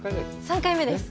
３回目です。